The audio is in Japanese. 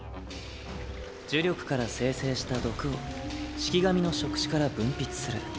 呪力から精製した毒を式神の触手から分泌する。